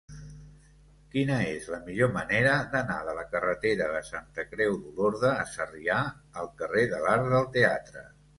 Quina és la millor manera d'anar de la carretera de Santa Creu d'Olorda a Sarrià al carrer de l'Arc del Teatre?